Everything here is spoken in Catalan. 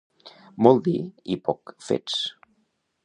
Molt dir i poc fets.